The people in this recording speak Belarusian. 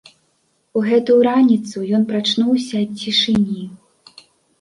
У гэтую раніцу ён прачнуўся ад цішыні.